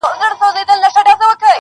جار دي له حیا سم چي حیا له تا حیا کوي,